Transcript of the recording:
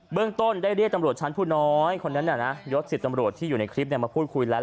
เรื่องต้นได้เรียกตำรวจชั้นผู้น้อยคนนั้นยศ๑๐ตำรวจที่อยู่ในคลิปมาพูดคุยแล้ว